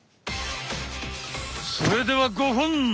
それでは５本！